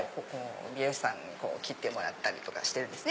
美容師さんにこう切ってもらったりしてるんですね。